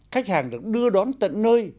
khách hàng được đưa đón tận nơi